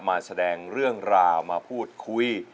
มาแสดงเรื่องราวมาพูดคุย